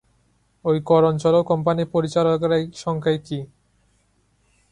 ওই কর অঞ্চলেও কোম্পানি পরিচালকেরাই সংখ্যায় কি?